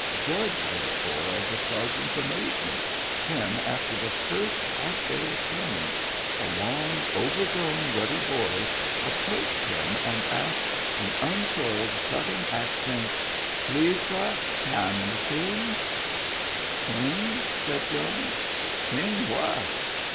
Judge therefore of the sergeant's amazement when, after the first half day of journey, a long over grown ruddy boy approached him and asked in unsoiled Southern accents :" Please, sah, can we sing ?" Digitized by Google IN THE BACK 99 " Sing ?" said Jones. " Sing what